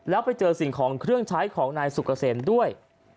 แล้วไปเจอสิ่งของเครื่องใช้ของนายสุกเกษมด้วย